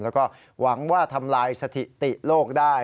แล้วก็หวังว่าทำลายสถิติโลกได้